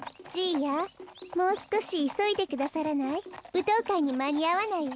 ぶとうかいにまにあわないわ。